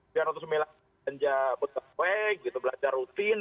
rp satu ratus sembilan untuk bekerja belajar rutin